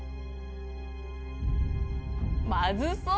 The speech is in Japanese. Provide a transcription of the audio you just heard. まずそう！